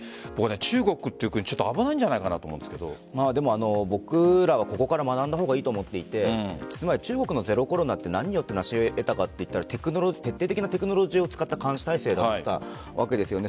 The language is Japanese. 中国という国ちょっと危ないんじゃないかなと僕らはここから学んだ方がいいと思っていて中国のゼロコロナって何を成し得たかというと徹底的なテクノロジーを使った監視体制がだったわけですよね。